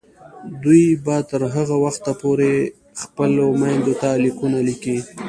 دوی به تر هغه وخته پورې خپلو میندو ته لیکونه لیکي.